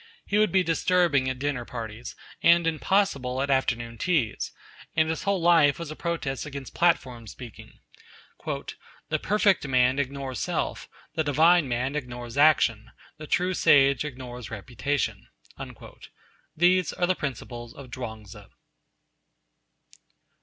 He would be disturbing at dinner parties, and impossible at afternoon teas, and his whole life was a protest against platform speaking. 'The perfect man ignores self; the divine man ignores action; the true sage ignores reputation.' These are the principles of Chuang Tzu.